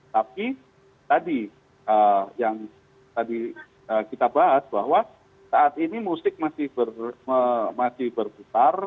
tapi tadi yang tadi kita bahas bahwa saat ini musik masih berputar